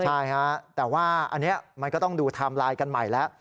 ใช่ฮะแต่ว่าอันนี้มันก็ต้องดูไทม์ไลน์กันใหม่แล้ว